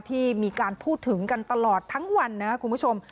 ที่มีการพูดถึงกันตลอดทั้งวันนะครับคุณผู้ชม